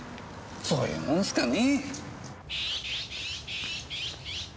そういうもんすかね。